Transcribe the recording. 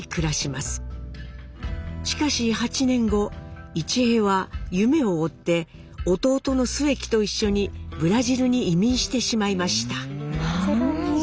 しかし８年後市平は夢を追って弟の末喜と一緒にブラジルに移民してしまいました。